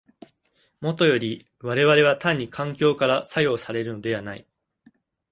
もとより我々は単に環境から作用されるのではない。